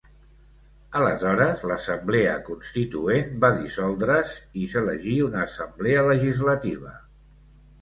Aleshores, l'Assemblea Constituent va dissoldre's i s'elegí una Assemblea Legislativa.